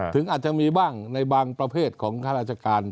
ถึงอาจจะมีบ้างในบางประเภทของข้าราชการ